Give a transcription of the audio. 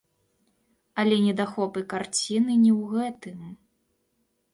Але недахопы карціны не ў гэтым.